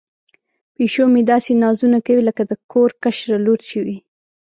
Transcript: پیشو مې داسې نازونه کوي لکه د کور کشره لور چې وي.